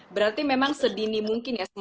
berarti memang sedini mungkin ya